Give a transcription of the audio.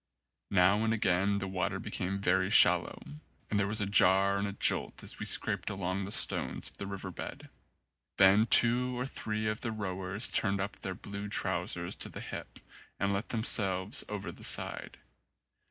Now and again the water became very shallow and there was a jar and a jolt as we scraped along the stones 94 ROMANCE of the river bed. Then two or three of the rowers turned up their blue trousers to the hip and let themselves over the side.